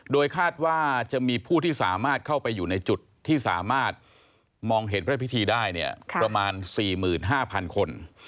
โดยคาดว่าจะมีผู้ที่สามารถเข้าไปอยู่ในจุดที่สามารถมองเห็นพระพิธีได้เนี่ยประมาณ๔๕๐๐คน